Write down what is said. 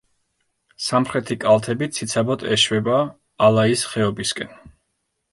სამხრეთი კალთები ციცაბოდ ეშვება ალაის ხეობისკენ.